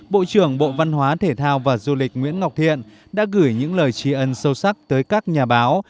bộ trưởng bộ văn hóa thể thao và du lịch nguyễn ngọc thiện đã gửi những lời trí ân sâu sắc tới các nhà báo